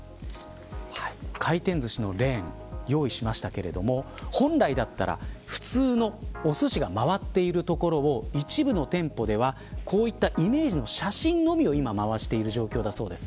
回転ずしのレーン用意しましたけれども本来だったら普通のおすしが回っているところを一部の店舗ではこういったイメージの写真のみを今、回している状況だそうです。